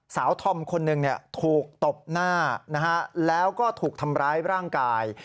ธอมคนหนึ่งถูกตบหน้าแล้วก็ถูกทำร้ายร่างกาย